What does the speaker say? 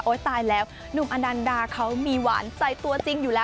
ตายแล้วหนุ่มอนันดาเขามีหวานใจตัวจริงอยู่แล้ว